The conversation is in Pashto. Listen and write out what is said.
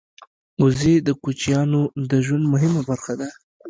وزې د کوچیانو د ژوند مهمه برخه ده